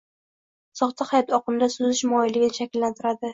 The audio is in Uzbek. soxta hayot oqimida suzish moyilligini shakllantiradi.